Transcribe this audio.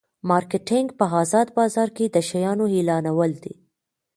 مارکیټینګ په ازاد بازار کې د شیانو اعلانول دي.